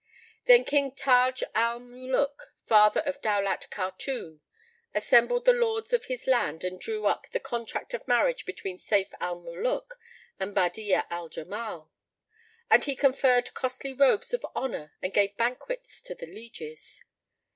Then King Taj al Muluk father of Daulat Khatun assembled the lords of his land and drew up the contract of marriage between Sayf al Muluk and Badi'a al Jamal; and he conferred costly robes of honour and gave banquets to the lieges.